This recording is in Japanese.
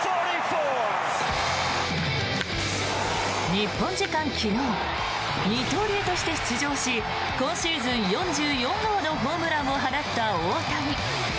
日本時間昨日二刀流として出場し今シーズン４４号のホームランを放った大谷。